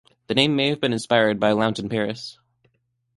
The name may have been inspired by a lounge in Paris.